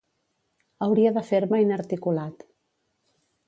Hauria de fer-me inarticulat.